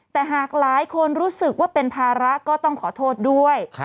แต่หากหลายคนรู้สึกว่าเป็นภาระก็ต้องขอโทษด้วย